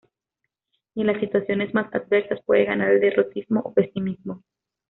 Ni en las situaciones más adversas puede ganar el derrotismo o pesimismo.